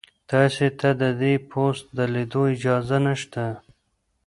تاسي ته د دې پوسټ د لیدو اجازه نشته.